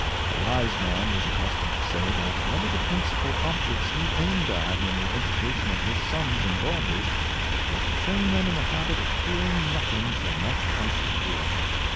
A wise man was accustomed to say that one of the prin cipal objects he aimed at in the education of his sons and daughters was to train them in the habit of fearing nothing so much as fear.